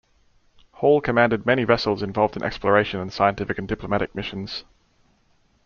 Hall commanded many vessels involved in exploration and scientific and diplomatic missions.